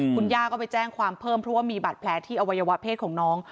คุณย่าก็ไปแจ้งความเพิ่มเพราะว่ามีบาดแผลที่อวัยวะเพศของน้อง